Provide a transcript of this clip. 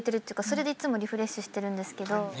それでいつもリフレッシュしてるんですけど。